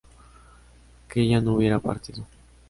que ella no hubiera partido